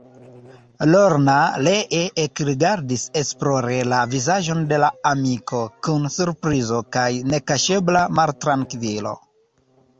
Lorna ree ekrigardis esplore la vizaĝon de la amiko, kun surprizo kaj nekaŝebla maltrankvilo.